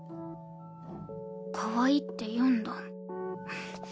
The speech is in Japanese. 「かわいい」って言うんだ。